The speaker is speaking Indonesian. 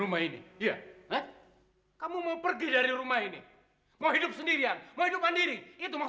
saya boleh masuk sekarang